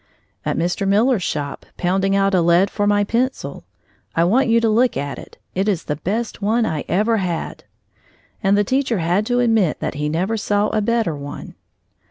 "At Mr. Miller's shop, pounding out a lead for my pencil. I want you to look at it. It is the best one I ever had!" And the teacher had to admit that he never saw a better one.